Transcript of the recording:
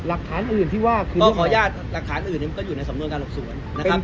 หลักฐานอื่นที่ว่าคือต้องขออนุญาตหลักฐานอื่นก็อยู่ในสำนวนการหลบสวนนะครับ